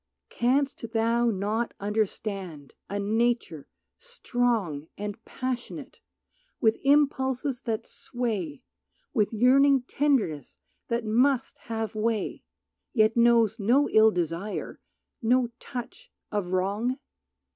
Canst thou not understand a nature strong And passionate, with impulses that sway, With yearning tenderness that must have way, Yet knows no ill desire, no touch of wrong?